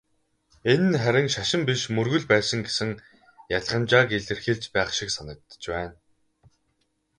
Энэ нь харин "шашин" биш "мөргөл" байсан гэсэн ялгамжааг илэрхийлж байх шиг санагдаж байна.